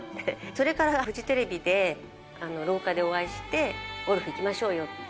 それからフジテレビで、廊下でお会いして、ゴルフ行きましょうよって。